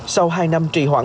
sau hai năm trì hoãn